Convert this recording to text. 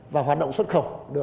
và hoạt động xuất khẩu